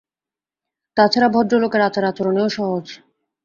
তা ছাড়া ভদ্রলোকের আচার-আচরণেও সহজ।